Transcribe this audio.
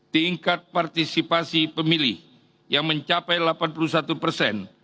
tingkat partisipasi pemilih yang mencapai delapan puluh satu persen